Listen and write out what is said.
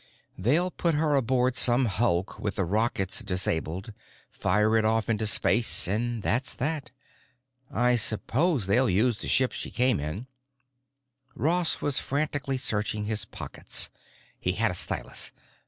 "They'll put her aboard some hulk with the rockets disabled, fire it off into space—and that's that. I suppose they'll use the ship she came in——" Ross was frantically searching his pockets. He had a stylus.